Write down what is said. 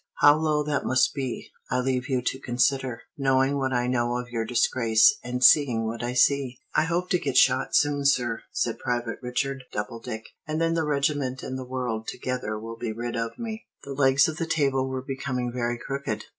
How low that must be, I leave you to consider, knowing what I know of your disgrace, and seeing what I see." "I hope to get shot soon, sir," said Private Richard Doubledick; "and then the regiment and the world together will be rid of me." The legs of the table were becoming very crooked.